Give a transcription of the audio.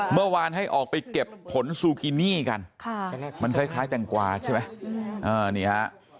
เมื่อวานให้ออกไปเก็บผลซูกินี่กันมันคล้ายแตงกวาใช่ไหม